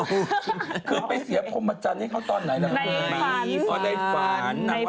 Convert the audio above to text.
คือไปเสียพรมอาจารย์ให้เขาตอนไหนละค่ะ